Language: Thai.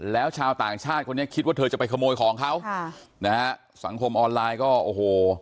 แล้วชาวต่างชาติคนนี้คิดว่าเธอจะไปขโมยของเขาค่ะนะฮะสังคมออนไลน์ก็โอ้โห